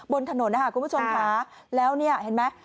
บนถนนนะคะคุณผู้ชมค่ะแล้วเนี่ยเห็นไหม